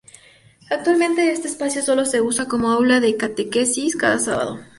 Actualmente este espacio solo se usa como aula de catequesis cada sábado.